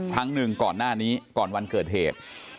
ครั้งหนึ่งก่อนหน้านี้ก่อนวันเกิดเหตุ